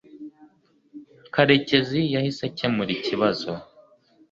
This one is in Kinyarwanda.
Karekezi yahise akemura ikibazo